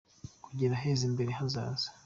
Kugera heza imbere hazaza.